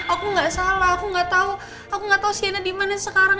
aku ga salah aku ga tau aku ga tau sienna dimana sekarang